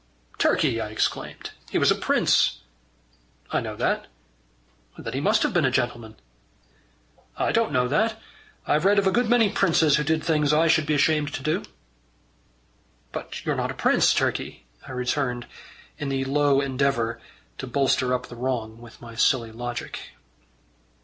"Turkey!" I exclaimed. "He was a prince!" "I know that." "Then he must have been a gentleman." "I don't know that. I've read of a good many princes who did things I should be ashamed to do." "But you're not a prince, Turkey," I returned, in the low endeavour to bolster up the wrong with my silly logic.